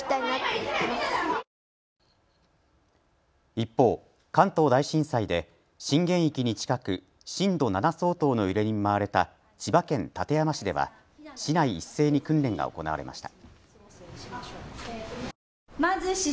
一方、関東大震災で震源域に近く震度７相当の揺れに見舞われた千葉県館山市では市内一斉に訓練が行われました。